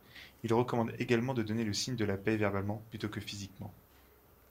Il recommande également de donner le signe de la paix verbalement plutôt que physiquement.